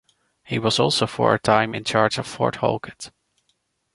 He was also for a time in charge of Fort Halkett.